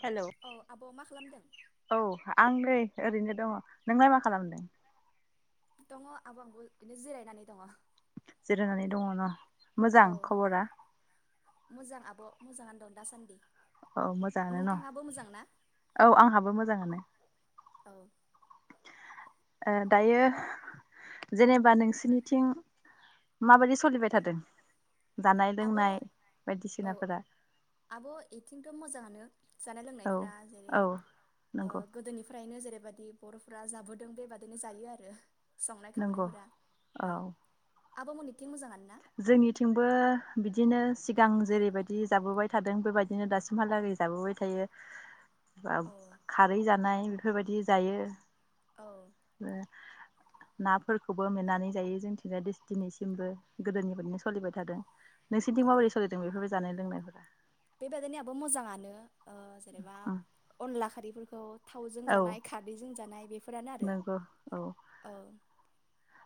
हेल' औ आब' मा खालामदों औ आं नै ओरैनो दङ नोंलाय मा खालामदों? दङ आब' आंबो बिदिनो जिरायनानै दङ। जिरायनानै दङ न' औ मोजां खबरा? मोजां आब' मोजाङानो दं दासान्दि। औ मोजाङानो न' नोंथाङाबो मोजां ना औ आंहाबो मोजाङानो। औ। ओ दायो जेनेबा नोंसिनिथिं माबायदि सोलिबाय थादों? जानाय आब' लोंनाय औ बायदिसिनाफोरा आब' एथिंथ' मोजाङानो जानाय- औ लोंनायफ्रा जेरै औ नंगौ गोदोनिफ्रायनो जेरै- बेबायदि बर'फोरा जाबोदों बेबायदिनो जायो आरो। संनाय नंगौ खावनायफोरा औ। आब' मोननिथिं मोजाङानो? ना जोंनिथिंबो बिदिनो सिगां जेरैबायदि जाबोबाय थादों बेबायदिनो दासिमहालागै जाबोबाय थायो। बा औ खारै जानाय बेफोरबायदि जायो। औ। ओ नाफोरखौबो मेनानै जायो जोंथिंजाय दिनैसिमबो गोदोनिफ्रायनो सोलिबाय थादों। औ नोंसोरनिथिं माबोरै सोलिदों बेफोर बायदि जानाय-लोंनायफोरा? बेबायदिनो आब' मोजाङानो ओ जेनेबा अनला खारैफोरखौ' थावजों औ जानाय खारैजों जानाय बेफोरानो आरो नंगौ औ। औ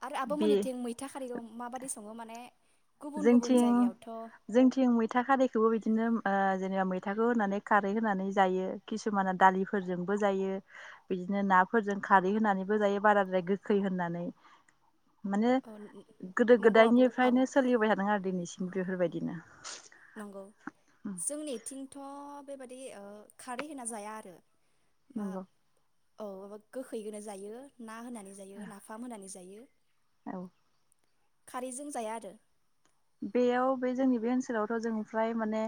आरो आब' बे मोननिथिं मैथा खारि माबादि सङो माने गुबुन गुबुन जोंथिं, जायगायावथ' जोंथिं मैथा खारैखौबो बिदिनो ओ जेनेबा मैथाखौ होनानै खारै होनानै जायो। किसुमाना दालिफोरजोंबो जायो बिदिनो नाफोरजों खारै होनानैबो जायो। बाराद्राय गोखै होनानै माने ओ नंगौ आब' आब' गोदो-गोदायनिफ्रायनो थादों आरो दिनैसिम बेफोरबायदिनो। नंगौ जोंनिथिंथ' बेबायदि ओ खारै होना जाया आरो। मा नंगौ। औ माबा गोखैखौनो जायो ना होनानै जायो, नाफाम होनानै जायो। [inaudible] औ। खारैजों जाया आरो? बेयाव बे जोंनि बे ओनसोलावथ' जों फ्राय माने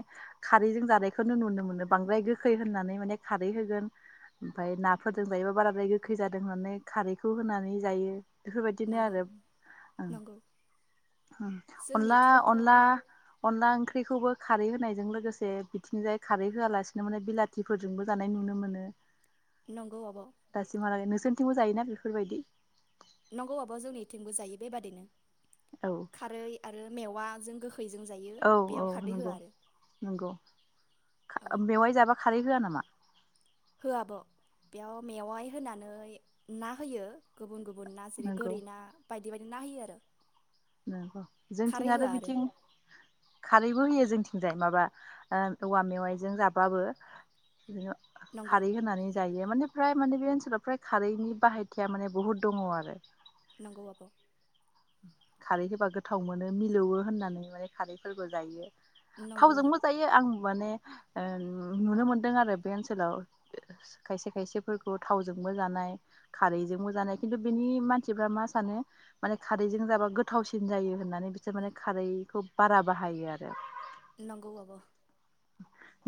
खारैजों जानायखौनो नुनो मोनो। बांद्राय गोखै होननानै माने खारै होगोन, ओमफ्राय नाफोरजों जायोबा बाराद्राय गोखै जादों होननानै खारैखौ होनानै जायो। बेफोरबायदिनो नंगौ आरो। नंगौ अनला जोंनिथिंथ' अनला अनला ओंख्रिखौबो खारै होनायजों लोगोसे बिथिंजाय खारै होआलासिनो माने बिलाथिफोरजोंबो जानाय नुनो मोनो। नंगौ आब'। सोरथिंबो जायो ना बेफोरबायदि नंगौ आब'। जोंनिथिंबो जायो बेबादिनो। औ खारै आरो मेवा जों गो खैजों जायो। औ औ बेयाव खारदै होआ आरो औ खा मेवाय जाबा खारै होआ नामा? होआ आब'। बेयाव मेवाइ होनानै ना होयो गुबुन गु बुन ना जेरै नंगौ गोरै ना बाय दि ना होयो आरो नंगौ। खारै जोंथिं आरो होआ बिथिं खारैबो होयो। जोंथिंजाय माबा ओ औवा मेवाइजों जाबाबो बिदिनो नंगौ खारै होनानै जायो। माने फ्राय माने बे ओनसोलाव फ्राय खारैनि बाहायथिया माने बहुत दङ' आरो नंगौ आब'। खारै होबा गोथाव मोनो मिलौवो होननानै माने खारैफोरबो जायो। नंगौ थावजोंबो जायो। आं माने ओ नुनो मोनदों आरो बे ओनसोलाव। खायसे खायसेफोरखौ थावजोंबो जानाय खारैजोंबो जानाय खिन्थु बेनि मानसिफ्रा मा सानो? माने खारैजों जाबा गोथावसिन जायो होननानै बिसोर माने खारैखौ बारा बाहायो आरो नंगौ आब'।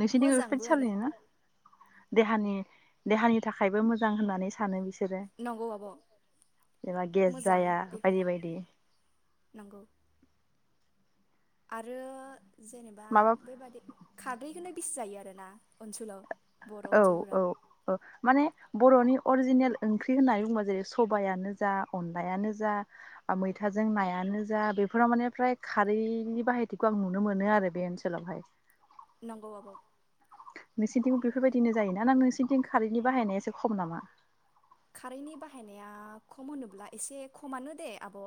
नोंसिनिथिं बेफोर मोजांबो बादि आरो सोलियो ना? देहानि देहानि थाखायबो मोजां होननानै सानो बि सोरो। नंगौ आब' जेनेबा गेस मोजां जाया बेफोरो बायदि बायदि। नंगौ आरो जेनेबा माबा बेबादि खारदैखोनो [unintelligible] जायो आरो ना ओनसोलाव बर' औ औ ओनसोलफोराव ओ माने बर'नि अरिजिनेल ओंख्रि होननानै बुंङोब्ला जेरै सबायानो जा अनलायानो जा मैथाजों नायानो जा बेफोराव माने फ्राय खारैनि बाहायथिखौ आं नुनो मोनो आरो बे ओनसोलावहाय। नंगौ आब'। नोंसोरनिथिंबो बेफोरबायदिनो जायोना ना नोंसोरनिथिं खारैनि बाहायनाया एसे खम नामा? खारैनि बाहायनाया खम होनोब्ला एसे खमानो दे आब'।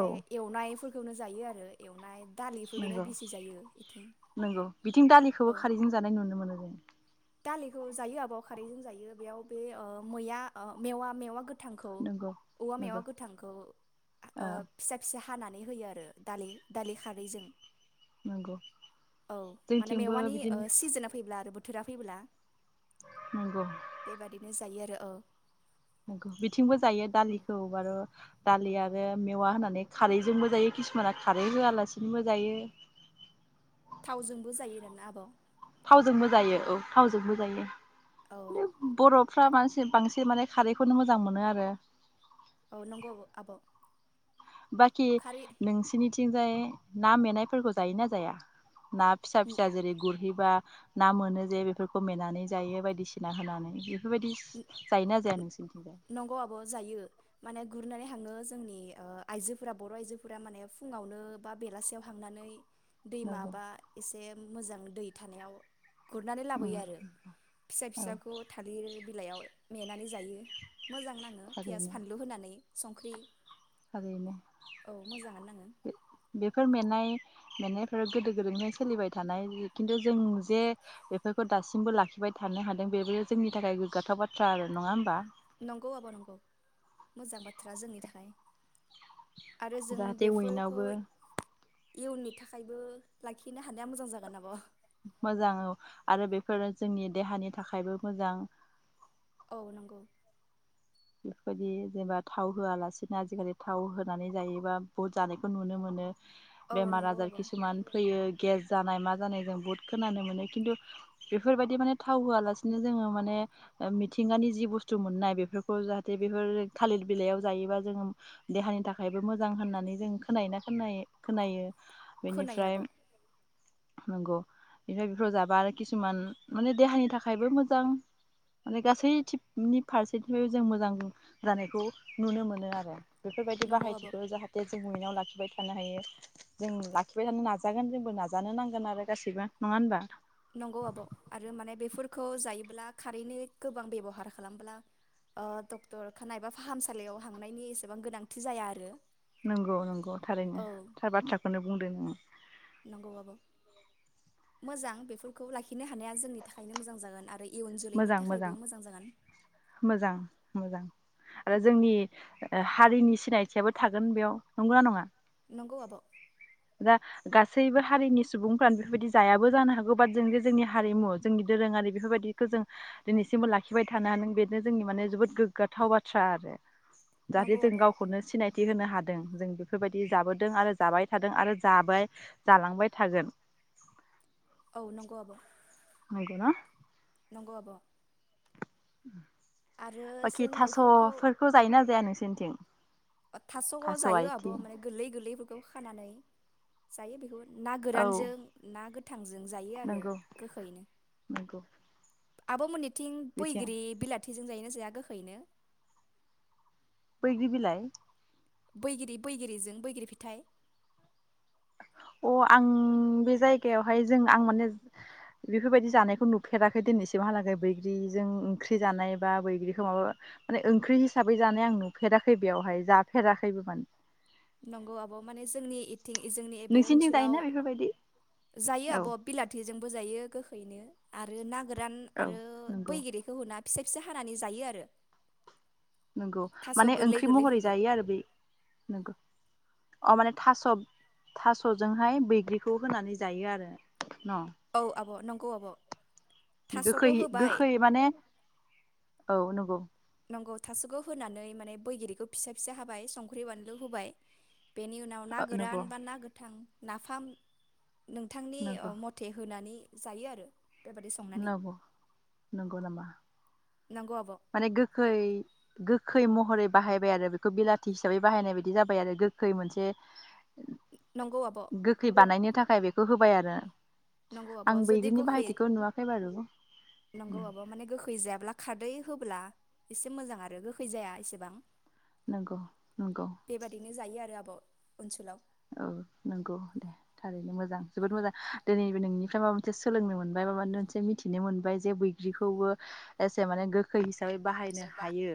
औ एवनायफोरखौनो जायो आरो एवनाय दालिफोरखौनो नंगौ बेसि जायो इथिं नंगौ बिथिं औ दालिखौबो खारैजों जानाय नुनो मोनो जों। दालिखौ जायो आब' खारैजों जायो बेयाव बे मैया मेवा मेवा थांखौ नंगौ औवा मेवा नंगौ गोथांखौ ओ फिसा फिसा हानानै होयो आरो दालि दालि खारैजों नंगौ औ माने जोंथिंबो मेवानि ओ बिदिनो सिजोना फैब्ला आरो फैबोला नंगौ बे बादिनो जायो आरो। ओ नोगौ बिथिंबो जायो दालिखौ बारो' दालि आरो मेवा होनानै खारैजोंबो जायो किसुमाना खारै होयालासिनोबो जायो। थावजोंबो जायो दाना आब' थावजोंबो जायो औ थावजोंबो जायो। औ फ्रा बांसि-बांसिन माने खारैखौनो मोजां मोनो आरो। औ नंगौ आब' बाखि खारै नोंसिनि थिंजाय ना मे‌ नायफोरखौ जायोना जाया? ना फिसा फिसा जेरै गुरहैबा ना मोनो जे बेफोरखौ मेनानै जायो बायदिसिना होनानै बेफोरबायदि जायोना जाया नोंसिनिथिं नंगौ आब' जायो माने गुरनानै हांङो जोंनि ओ आइजोफोरा बर' आइजोफोरा माने फुंङावनो बा बेलासियाव हांनानै दै नंगौ माबा एसे उम मोजां दै थानायाव गुरनानै उम लाबोयो आरो फिसा औ फिसाखौ थालिर बिलाइयाव मेना नै जायो। मोजां नांङो पियास फानलु होनानै संख्रि आरैनो औ मोजाङानो नाङो बेफोर मेंनाय मेंनायफोरा गोदो गोदायनिफ्राय सोलिबाय थानाय खिन्थु जों जे बेफोरखौ दासिमबो लाखिबाय थानो हादों बेबो जोंनि थाखाय गोग्गाथाव बाथ्रा आरो नंङा होमबा? नंगौ आब' नंगौ मोजां बाथ्रा जोंनि थाखाय। आरो जों जाहाथे बेफोरखौ उइनावबो इयुननि थाखायबो लाखिनो हानाया मोजां जागोन आब' मोजां औ आरो बेफोरो जोंनि देहानि थाखायबो मोजां गौ नंगौ। बेफोरबायदि जेनेबा थाव होआलासिनो आजिखालि थाव होनानै जायोबा बहुत जानायखौ नुनो मोनो। औ बेमार नंगौ आजार आब' खिसुमान फैयो गेस जानाय मा जानाय जों बुहुत खोनानो मोनो। खिन्थु बेफोरबायदि माने थाव होआलासिनो जोङो माने मिथिंगानि जि बुस्थु मोननाय बेफोर खौ जाहाथे बेफोर थालिर बिलाइयाव जायोबा जोङो देहानि थाखायबो मोजां होननानै जों खोनायो ना खोनायो खोनायो। खोनायो बेनिफ्राय आब' नंगौ बेनिफ्राय बेफोराव जाबा आरो किसुमान माने देहानि थाखायबो मोजां। माने गासै थिनि फारसे बे जों मोजां जानायखौ नुनो मोनो आरो। बेफोरबायदि नंगौ आब' बाहायथिखौ जाहाथे जों [unintelligible] लाखिबाय थानो हायो जों लाखिबाय थानो नाजागोन जोंबो नाजानो नांगोन आरो गासैबो नङा होबा? नंगौ आब'। आरो माने बेफोरखौ जायोब्ला खारैनि गोबां बेब'हार खालामब्ला डक्टरखानाय एबा फाहामसालियाव हांनायनि एसेबां गोनांथि जाया आरो। नंगौ नंगौ थारैनो औ थार बाथ्राखौनो बुंदो नोङो। नंगौ आब' मोजां बेफोरखौ लाखिनो हानाया जोंनि थाखायनो मोजां जागोन आ मोजां मोजां मोजां मोजां। आरो जोंनि हारिनि सिनायथियाबो थागोन बेयाव नंगौना नङा? नंगौ आब'। दा गासैबो हारिनि सुबुंफ्रानो बेफोरबायदि जायाबो जानो हागौ बाट जों जे जोंनि हारिमु जोंनि दोरोङारि बेफोरबायदिखौ जों दिनैसिमबो लाखिबाय थानो हादों बेनो जोंनि माने जोबोद गोग्गाथाव बाथ्रा आरो। जाहाथे नंगौ जों आब' गावखौनो सिनायथि होनो हादों जों बेफोरबायदि जाबोदों आरो जाबाय थादों आरो जाबाय जालांबाय थागोन। औ नंगौ आब'। नंगौ ना? नंगौ आब'। आरो जों बाखि बेफोरखौ थास'फोरखौ जायोना जाया नों सिनथिं? थास' जायो आब'। माने गोरलै गोरलैफोर खौ खानानै जायो। बेहुद ना औ गोरानजों, ना गोथांजों जायो आरो नंगौ गोखैयैनो। नंगौ आब'मोननि थिं बिथिं बैग्रि बिलाथि जों जायोनो जाया गोखैनो? बैग्रि बिलाइ बैग्रि बैग्रिजों बैग्रि फिथाइ। अ आं बे जायगायावहाय जों आं माने बेफोरबायदि जानायखौ नुफेराखै दिनैसिमहालागै बैग्रिजों ओंख्रि जानाय बा बैग्रिखौ माबा माने ओंख्रि हिसाबै जानाय आं नुफेराखै बेयावहाय जाफेराखैबो माने। नंगौ आब' माने जोंनि थिं जोंनि बे नोंसिनिथिं जायोना ओनसोलाव बेफोरबायदि जायो औ आब' बिलाथि जों। बोजायो गोखैनो आरो ना गोरान औ आरो नंगौ बैगिरिखौ होना फिसा फिसा हानानै जायो आरो। नंगौ थास' माने गोरलै ओंख्रि महरै गोरलैफोरखौ जायो आरो बे नंगौ। अ माने थास' थास'जोंहाय बैग्रिखौ होनानै जायो आरो न'। औ आब' नंगौ आब'। गोखै थास'खौ होबाय गोखै माने औ नं गौ। नंगौ थास'खौ होनानै माने बैगिरिखौ फिसा फिसा हाबाय संख्रि बानलु होबाय। बेनि उनाव ना ओ गोरान नंगौ बा ना गोथां नाफाम नोंथांनि ओ नंगौ मथे होनानै जायो आरो बेबादि संनानै नाब' नंगौ नामा। नंगौ आब' माने गोखै गो खै महरै बाहायबाय आरो बेखो बिलाथि हिसाबै बाहायनाय बायदि जाबाय आरो गोखै मोनसे नंगौ आब' गोखै बानायनो थाखाय बेखौ होबाय आरो। नंगौ आब' आं जुदि बैग्रिनि गोखै बाहायथिखौ नुवाखै बारु नंगौ उम आब' माने गोखै जायाब्ला खारदै होब्ला एसे मोजां आरो गोखै जाया एसेबां। नोंगौ नोंगौ। ब'। ओनसोलाव औ नंगौ दे थारैनो मोजां जोबोद मोजां। दोनैबो नोंनिफ्राय माबा मोनसे सोलोंनो मोनबाय माबा मोनसे मिथिनो मोनबाय जे बैग्रिखौबो एसे माने गोखै हिसाबै बाहायनो हायो।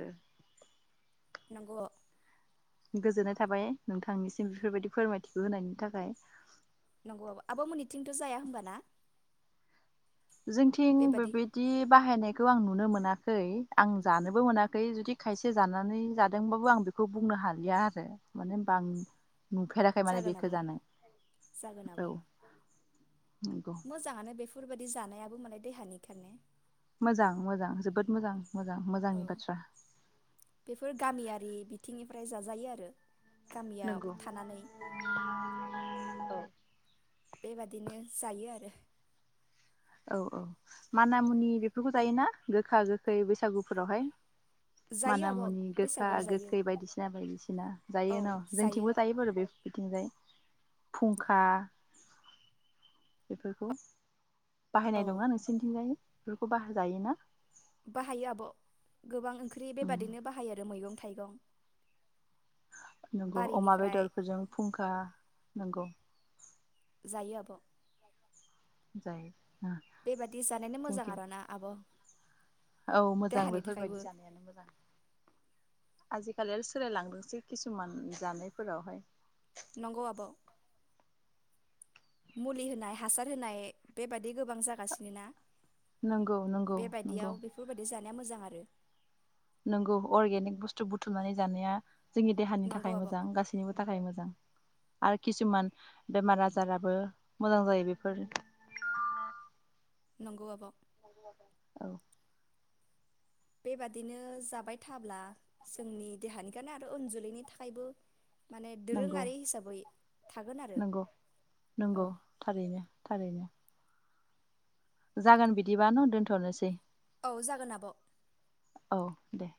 नंगौ गोजोननाय थाबाय नोंथांनिसिम बेफोरबायदि फोरमायथिखौ होनायनि थाखाय। नंगौ आब'। आब' मोननिथिंथ' जाया होमबा ना? जोंथिं बेबादि बेबायदि बाहायनाय खौ आं नुनो मोनाखै आं जानोबो मोनाखै जुदि खायसे जानानै जादोंबाबो आं बेखौ बुंनो हालिया आरो माने होनबा आं नुफेराखै माने जागोन बेखो आब' जानाय। जागोन आब' औ नोंगौ। दि जानायाबो मालाय देहानि खारनो मोजां मोजां जोबोद मोजां मोजां औ मोजांनि बाथ्रा। फ्राय जाजायो आरो। गामियाव नंगौ थानानै बेबादिनो जायो आरो। औ औ मानामुनि बेफोरखौ जायोना गोखा गोखै बैसागुफोरावहाय? जायो आब' मानामुनि गोखा बैसागोआव जायो गोखै बायदिसिना बायदिसिना जायो न? जोंथिंबो जायो बारु बे बिथिंजाय। फुंखा बेफोरखौ औ बाहायनाय दंना नोंसिनिथिंजाय? बेफोरखौ बाहाय जायोना बाहायो आब' गोबां ओंख्रि बेबादिनो बाहायो आरो मैगं थाइगं नंगौ अमा बारिनिफ्राय बेदरफोरजों फुंखा नंगौ जायो आब' जायो बेबादि जानायनो मोजां जोंथिं आरो ना आब' औ मोजां देहानि थाखायबो बेफोरबायदि जानायानो मोजां आजिखालि सोलायलांदोंसै किसुमान जानायफोरावहाय नंगौ आब' मुलि होनाय हासार होनाय बेबादि गोबां जागासिनो ना? नंगौ नंगौ बेबायदियाव नंगौ। बेफोरबायदि जानाया मोजां आरो नंगौ अर्गेनिक बुस्थु बुथुमनानै जानाया जोंनि देहानि नंगौ थाखाय आब' मोजां गासैनिबो थाखाय मोजां। आरो किसुमान बेमार आजाराबो मोजां जायो बेफोर नंगौ आब'। औ। बेबादिनो जाबाय थाब्ला जोंनि देहानि खारोनै आरो उन जोलैनि थाखायबो माने नंगौ दोरोङारि हिसाबै थागोन आरो नंगौ औ नंगौ थारैनो थारैनो। जागोन बिदिबा न' दोनथ'नोसै। औ जागोन आब'। औ दे।